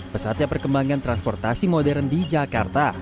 pesatnya perkembangan transportasi modern di jakarta